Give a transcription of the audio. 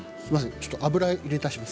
ちょっと油を入れ足します。